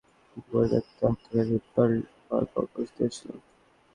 হামলার পরে প্যারিসেররাস্তায় একটি পরিত্যক্ত আত্মঘাতী বেল্ট পাওয়ার খবর প্রকাশিত হয়েছিল।